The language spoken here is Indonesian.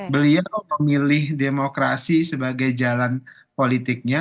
beliau memilih demokrasi sebagai jalan politiknya